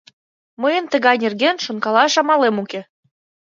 Мыйын тыгай нерген шонкалаш амалем уке.